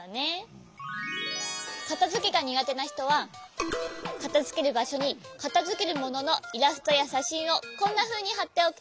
かたづけがにがてなひとはかたづけるばしょにかたづけるもののイラストやしゃしんをこんなふうにはっておくとわかりやすいよ。